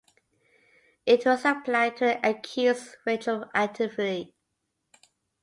It was applied to the accused retroactively.